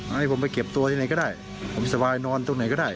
ให้ผมไปเก็บตัวที่ไหนก็ได้ผมสบายนอนตรงไหนก็ได้